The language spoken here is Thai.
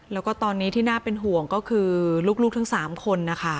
แล้วก็ตอนนี้ที่น่าเป็นห่วงก็คือลูกทั้ง๓คนนะคะ